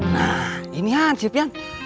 nah ini hansip yan